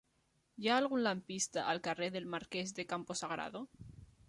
Hi ha algun lampista al carrer del Marquès de Campo Sagrado?